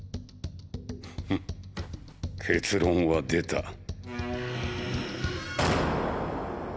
ふっ結論は出た。